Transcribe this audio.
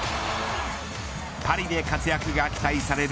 パリで活躍が期待される